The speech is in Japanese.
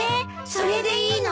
それでいいの？